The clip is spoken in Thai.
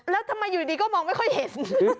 แล้วทำไมอยู่ดีก็มองไม่ค่อยเห็น